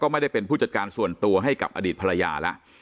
ไม่ได้เป็นผู้จัดการส่วนตัวให้กับอดีตภรรยาแล้ว